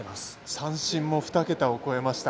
三振も２桁を超えました。